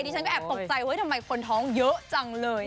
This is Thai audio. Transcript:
ฉันก็แอบตกใจเฮ้ยทำไมคนท้องเยอะจังเลย